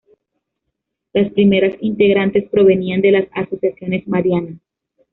Las primeras integrantes provenían de las asociaciones marianas.